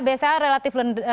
bca relatif lendang